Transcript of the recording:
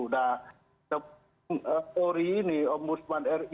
sudah seori ini ombudsman ri